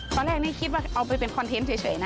ตอนแรกนี่คิดว่าเอาไปเป็นคอนเทนต์เฉยนะ